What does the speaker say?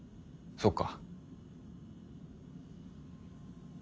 そっか。